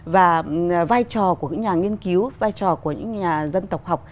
và vai trò của những nhà nghiên cứu vai trò của những nhà dân tộc học